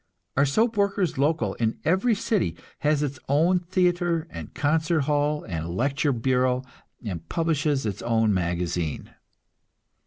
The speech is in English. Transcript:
Our soap workers' local in every city has its own theatre and concert hall and lecture bureau, and publishes its own magazine.